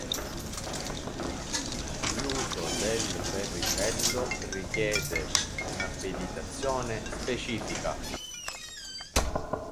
L'uso del verricello richiede un'abilitazione specifica.